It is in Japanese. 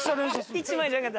１枚じゃなかった。